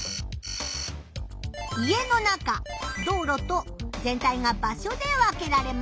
家の中道路と全体が場所で分けられました。